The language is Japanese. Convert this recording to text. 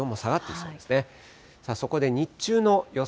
そこで日中の予想